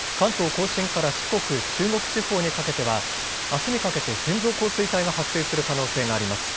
甲信から四国、中国地方にかけてはあすにかけて線状降水帯が発生する可能性があります。